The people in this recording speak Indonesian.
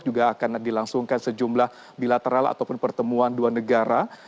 juga akan dilangsungkan sejumlah bilateral ataupun pertemuan dua negara